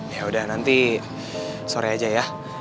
ya udah nanti sore aja ya